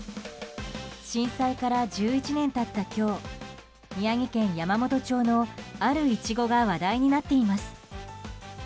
震災から１１年経った今日宮城県山元町の、あるイチゴが話題になっています。